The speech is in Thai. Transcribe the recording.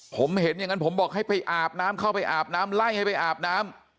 ผมเห็นอย่างนั้นผมบอกให้ไปอาบน้ำเข้าไปอาบน้ำไล่ให้ไปอาบน้ำ